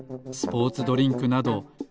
スポーツドリンクなど。